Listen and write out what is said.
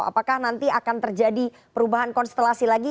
apakah nanti akan terjadi perubahan konstelasi lagi